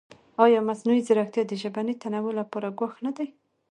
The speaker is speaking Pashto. ایا مصنوعي ځیرکتیا د ژبني تنوع لپاره ګواښ نه دی؟